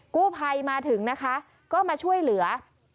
กู้ภัยมาถึงนะคะก็มาช่วยเหลือ